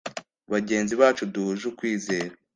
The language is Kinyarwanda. bagenzi bacu duhuje ukwizera